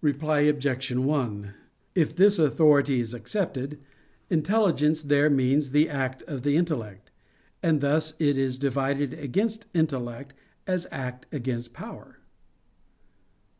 Reply Obj. 1: If this authority is accepted, intelligence there means the act of the intellect. And thus it is divided against intellect as act against power.